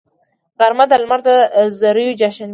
غرمه د لمر د زریو جشن وي